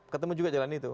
ketemu juga jalan itu